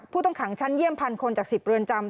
ผู้ต้องขังชั้นเยี่ยมพันคนจาก๑๐เรือนจำ